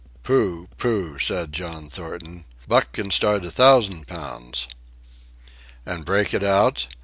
"Pooh! pooh!" said John Thornton; "Buck can start a thousand pounds." "And break it out?